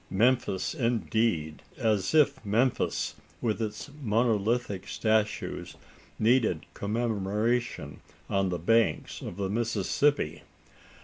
Memphis indeed! as if Memphis with its monolithic statues needed commemoration on the banks of the Mississippi!